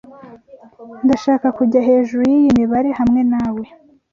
Ndashaka kujya hejuru yiyi mibare hamwe nawe.